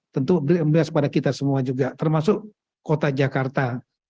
tentu berimbas pada kita semua juga termasuk kota jakarta